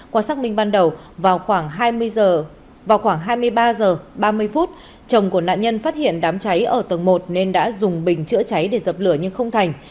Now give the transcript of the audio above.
qua xác minh ban đầu vào khoảng hai mươi ba h ba mươi chồng của nạn nhân phát hiện đám cháy ở tầng một nên đã dùng bình chữa cháy để dập lửa nhưng không thành